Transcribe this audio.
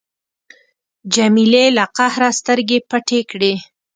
جمیلې له قهره سترګې پټې کړې.